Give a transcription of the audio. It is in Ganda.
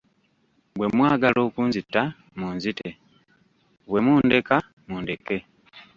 Bwe mwagala okunzita, munzite; bwe mundeka mundeka.